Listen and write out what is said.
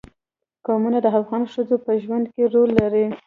قومونه د افغان ښځو په ژوند کې رول لري.